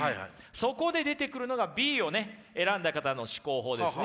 そこで出てくるのがＢを選んだ方の思考法ですね。